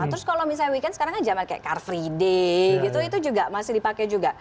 terus kalau misalnya weekend sekarang kan zaman kayak car free day gitu itu juga masih dipakai juga